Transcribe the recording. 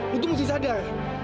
lu tuh mesti sadar